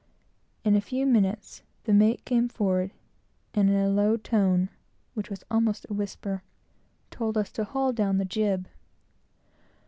In a few minutes the mate came forward; and in a low tone, which was almost a whisper, told us to haul down the jib.